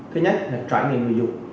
thứ nhất là trải nghiệm người dùng